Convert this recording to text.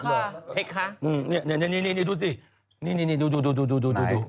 ฮ่าเทคค่ะเห็นดูสินี่ดู